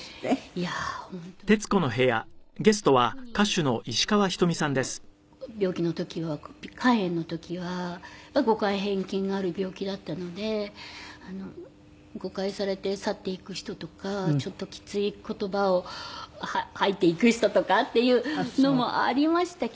いやー本当にね特に２０代の病気の時は肝炎の時は誤解偏見がある病気だったので誤解されて去っていく人とかちょっときつい言葉を吐いていく人とかっていうのもありましたけど。